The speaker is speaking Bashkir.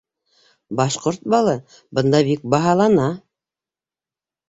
Башҡорт балы бында бик баһалана!